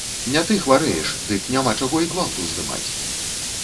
Не ты хварэеш, дык няма чаго і гвалт уздымаць.